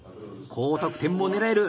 高得点も狙える！